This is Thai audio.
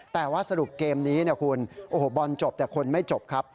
แต่ว่าสรุปเกมนี้บอลจบแต่คนไม่จบครับ